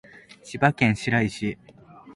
千葉県白井市